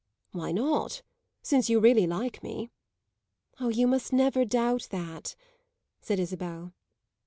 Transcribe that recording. "Why not, since you really like me?" "Ah, you must never doubt that," said Isabel.